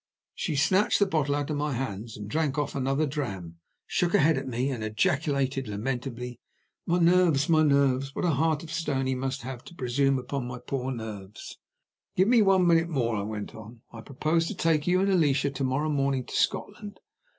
She snatched the bottle out of my hands drank off another dram, shook her head at me, and ejaculated lamentably: "My nerves, my nerves! what a heart of stone he must have to presume on my poor nerves!" "Give me one minute more," I went on. "I propose to take you and Alicia to morrow morning to Scotland.